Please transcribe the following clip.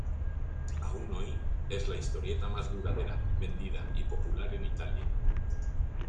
Aún hoy, es la historieta más duradera, vendida y popular en Italia.